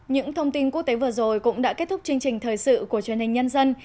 những thông tin quốc tế vừa rồi cũng đã kết thúc chương trình thời sự của truyền hình nhân dân